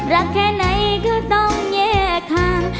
รักแค่ไหนก็ต้องเงียกข้าง